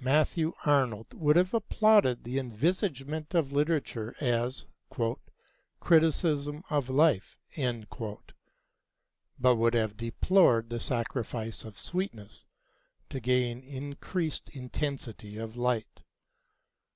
Matthew Arnold would have applauded the envisagement of literature as "criticism of life," but would have deplored the sacrifice of sweetness to gain increased intensity of light.